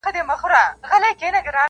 زېږوي یې چاغوي یې ځوانوي یې -